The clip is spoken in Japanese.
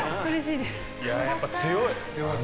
やっぱ強い。